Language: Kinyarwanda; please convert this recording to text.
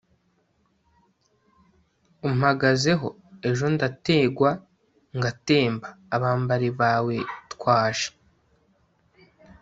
umpagazeho, ejo ndategwa ngatemba, abambari bawe twaje